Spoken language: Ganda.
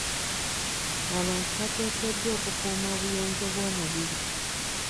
Abantu bateekeddwa okukuuma obuyonjo bw'omubiri.